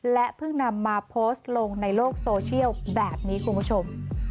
และเพิ่งนำมาโพสต์ลงในโลกโซเชียลแบบนี้คุณผู้ชม